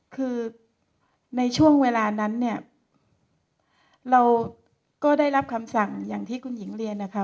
คือในช่วงเวลานั้นเนี่ยเราก็ได้รับคำสั่งอย่างที่คุณหญิงเรียนนะคะ